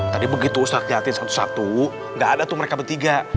tadi begitu ustad nyatir satu satu gak ada tuh mereka bertiga